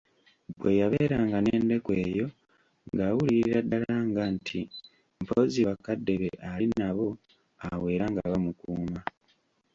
Bwe yabeeranga n'endeku eyo ng'awulirira ddala nga nti mpozzi bakadde be ali nabo awo era nga bamukuuma.